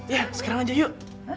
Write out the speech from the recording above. ya sekarang saja yuk